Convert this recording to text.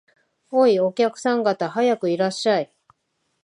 おい、お客さん方、早くいらっしゃい